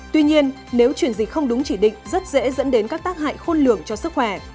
tuy nhiên nếu chuyển dịch không đúng chỉ định rất dễ dẫn đến các tác hại khôn lường cho sức khỏe